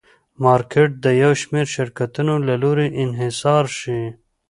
مارکېټ د یو شمېر شرکتونو له لوري انحصار شي.